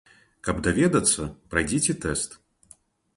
Каб даведацца, прайдзіце тэст.